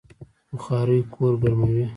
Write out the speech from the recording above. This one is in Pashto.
بخارۍ کور ګرموي